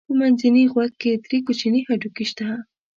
په منځني غوږ کې درې کوچني هډوکي شته.